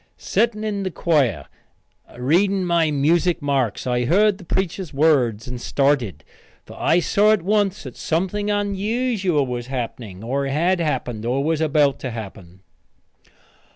Setting in the choir, reading my music marks, I heard the preacher's words and started, for I saw at once that something unusual was happening, or had happened, or was about to happen.